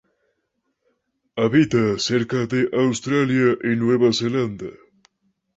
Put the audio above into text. Habita cerca de Australia y Nueva Zelanda.